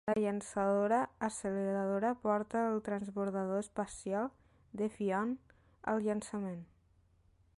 La llançadora acceleradora porta el transbordador espacial "Defiant" al llançament.